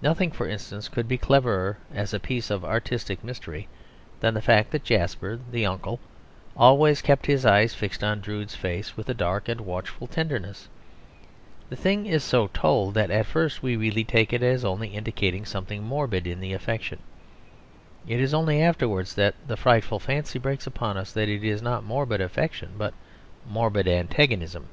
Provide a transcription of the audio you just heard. Nothing, for instance, could be cleverer as a piece of artistic mystery than the fact that Jasper, the uncle, always kept his eyes fixed on Drood's face with a dark and watchful tenderness; the thing is so told that at first we really take it as only indicating something morbid in the affection; it is only afterwards that the frightful fancy breaks upon us that it is not morbid affection but morbid antagonism.